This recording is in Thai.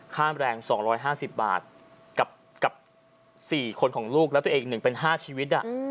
ค่าแรง๒๕๐บาทกับ๔คนของลูกแล้วตัวเองอีก๑เป็น๕ชีวิต